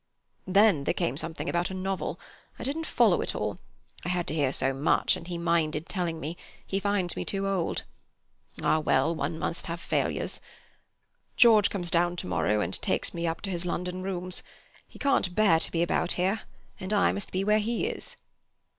"Then there came something about a novel. I didn't follow it at all; I had to hear so much, and he minded telling me; he finds me too old. Ah, well, one must have failures. George comes down to morrow, and takes me up to his London rooms. He can't bear to be about here, and I must be where he is."